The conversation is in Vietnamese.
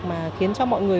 mà khiến cho mọi người